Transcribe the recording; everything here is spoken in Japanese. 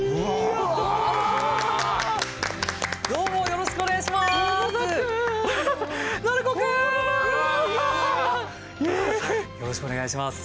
よろしくお願いします。